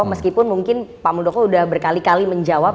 meskipun mungkin pak muldoko sudah berkali kali menjawab